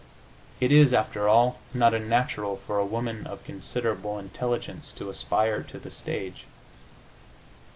It is, after all, not unnatural for a woman of considerable intelligence to aspire to the stage.